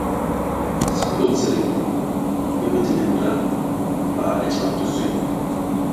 Sinukum sirik ngi midigindra ba i cifam ti zuy.